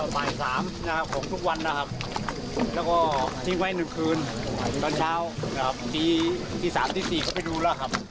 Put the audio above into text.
พ่อก็ทิ้งไว้หนึ่งคืนตอนเช้าตี๓๔ไปดูละครับ